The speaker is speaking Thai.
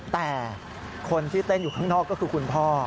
แต่คนที่เต้นอยู่ข้างนอกก็คือคุณพ่อ